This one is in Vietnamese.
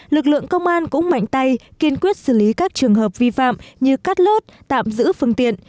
lực lượng công an cũng mạnh tay kiên quyết xử lý các trường hợp vi phạm như cắt lót tạm giữ phương tiện